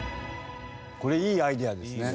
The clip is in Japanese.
これいいアイデアですね。